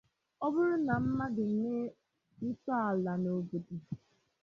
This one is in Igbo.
ọ bụrụ na mmadụ mee nsọala n'obodo